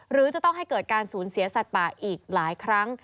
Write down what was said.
หรือจะต้องให้เกิดการสูญเสียสัตว์ป่าอีกหลายครั้ง